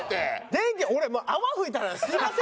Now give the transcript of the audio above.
電気俺泡吹いたらすいませんね。